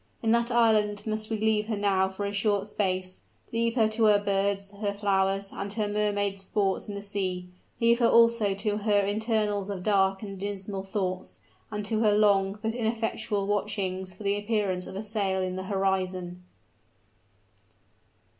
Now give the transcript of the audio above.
In that island must we leave her now for a short space, leave her to her birds, her flowers, and her mermaid sports in the sea, leave her also to her intervals of dark and dismal thoughts, and to her long, but ineffectual watchings for the appearance of a sail in the horizon.